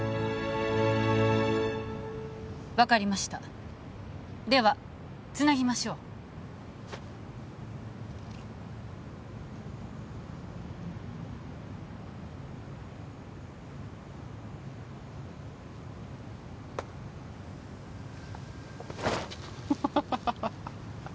分かりましたではつなぎましょうハハハ